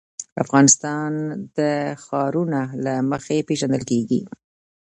افغانستان د ښارونه له مخې پېژندل کېږي.